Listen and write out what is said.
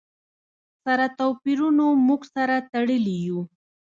سره توپیرونو موږ سره تړلي یو.